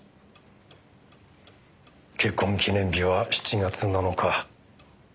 結婚記念日は７月７日。